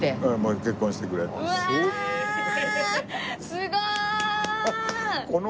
すごーい！